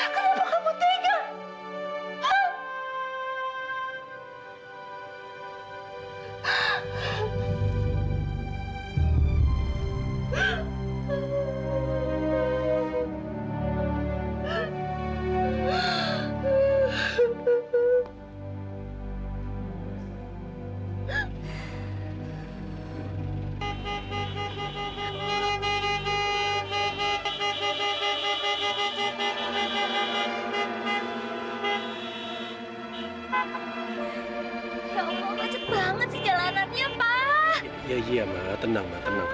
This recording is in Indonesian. kepalamilaku pusing ma